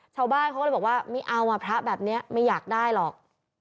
ชาวบ้านเขาก็เลยบอกว่าไม่เอาอ่ะพระแบบนี้ไม่อยากได้หรอก